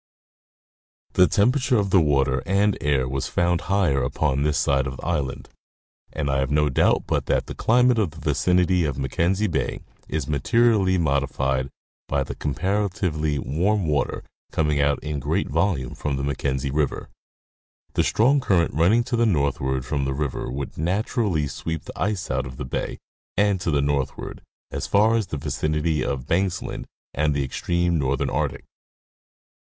The temperature of the water and air was found higher upon this side of the island, and I have no doubt but that the climate of the vicinity of Mackenzie bay is materially modified by the comparatively warm water coming out in great volume from the Mackenzie river. The strong current running to the northward from the river would naturally sweep the ice out of the bay and to the northward, as far as the vicinity of Banksland and the extreme northern Arctic.